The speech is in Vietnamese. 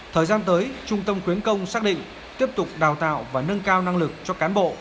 thời gian tới trung tâm quyến công xác định tiếp tục đào tạo và nâng cao năng lực cho cán bộ